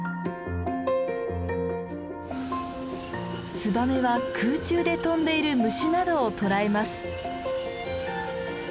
ツバメは空中で飛んでいる虫などを捕らえます。